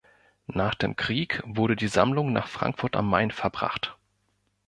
Nach dem Krieg wurde die Sammlung nach Frankfurt am Main verbracht.